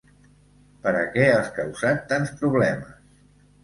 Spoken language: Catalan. Per a què has causat tants problemes?